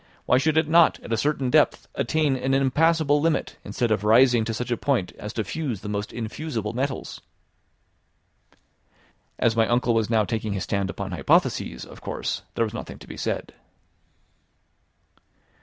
Why should it not, at a certain depth, attain an impassable limit, instead of rising to such a point as to fuse the most infusible metals?" As my uncle was now taking his stand upon hypotheses, of course, there was nothing to be said.